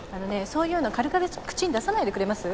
そういうの軽々しく口に出さないでくれます？